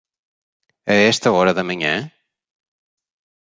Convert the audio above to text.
A esta hora da manhã?